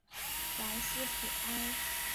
莱斯普埃。